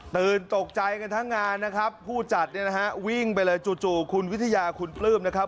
ตกใจกันทั้งงานนะครับผู้จัดเนี่ยนะฮะวิ่งไปเลยจู่คุณวิทยาคุณปลื้มนะครับ